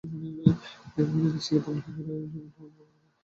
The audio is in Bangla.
বিভিন্ন দেশে তামিল হিন্দুরা এই উৎসব পালন করে।